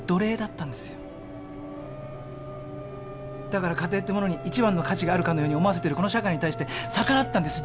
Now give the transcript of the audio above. だから家庭ってものに一番の価値があるかのように思わせてるこの社会に対して逆らったんです。